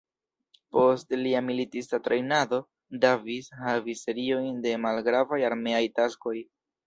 Post lia militista trejnado, Davis havis seriojn de malgravaj armeaj taskoj.